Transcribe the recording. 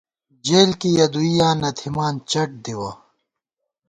جېل کی یَہ دوئیاں نہ تھِمان، چَٹ دِوَہ